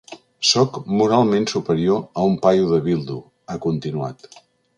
“Sóc moralment superior a un paio de Bildu”, ha continuat.